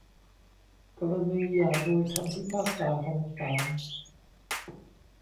กรณีหย่าโดยคำพิพากษาของศาล